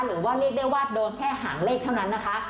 เรียกได้ว่าโดนแค่หางเลขเท่านั้นนะคะ